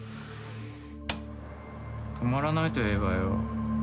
止まらないといえばよ